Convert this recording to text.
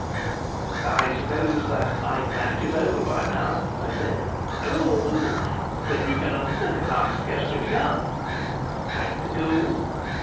"I suppose that Knype match is over by now?" I said. "Oh no!" said Buchanan. "The second half has scarcely begun." "Like to go?"